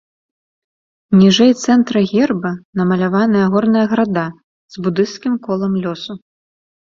Ніжэй цэнтра герба намаляваная горная града, з будысцкім колам лёсу.